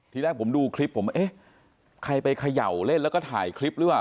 ทีแรกผมดูคลิปผมเอ๊ะใครไปเขย่าเล่นแล้วก็ถ่ายคลิปหรือเปล่า